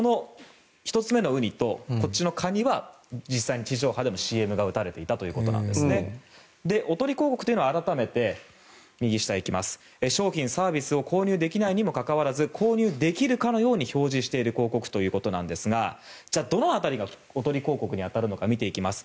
１つ目のウニとカニは地上波でもＣＭが打たれていたということでおとり広告というのを改めて商品、サービスを購入できないにもかかわらず購入できるかのように表示してる広告ということですがどの辺りがおとり広告に当たるのか、見ていきます。